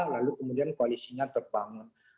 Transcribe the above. lalu kemudian koalisinya terbangun